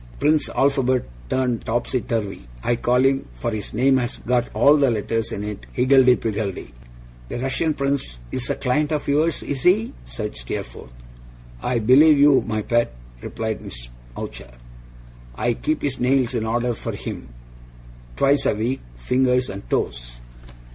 Prince Alphabet turned topsy turvy, I call him, for his name's got all the letters in it, higgledy piggledy.' 'The Russian Prince is a client of yours, is he?' said Steerforth. 'I believe you, my pet,' replied Miss Mowcher. 'I keep his nails in order for him. Twice a week! Fingers and toes.